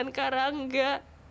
dengan kak rangga